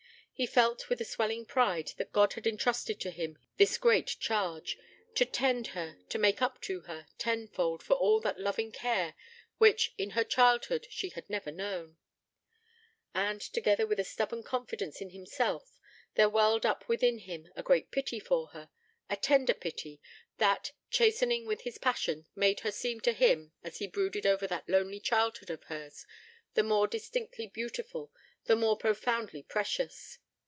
He felt with a swelling pride that God had entrusted to him this great charge to tend her; to make up to her, tenfold, for all that loving care, which, in her childhood, she had never known. And together with a stubborn confidence in himself, there welled up within him a great pity for her a tender pity, that, chastening with his passion, made her seem to him, as he brooded over that lonely childhood of hers, the more distinctly beautiful, the more profoundly precious.